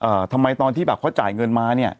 ทำไมตอนที่แบบเขาจ่ายเงินมาเนี้ย